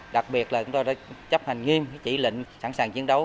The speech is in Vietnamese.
đặc biệt là chúng tôi đã chấp hành nghiêm chỉ lệnh sẵn sàng chiến đấu